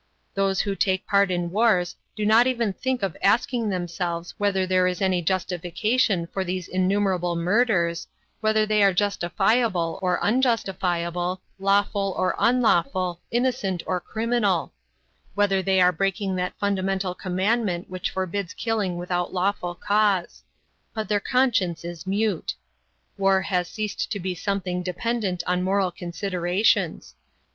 Those who take part in wars do not even think of asking themselves whether there is any justification for these innumerable murders, whether they are justifiable or unjustifiable, lawful or unlawful, innocent or criminal; whether they are breaking that fundamental commandment that forbids killing without lawful cause. But their conscience is mute. War has ceased to be something dependent on moral considerations.